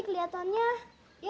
cukup jamp suci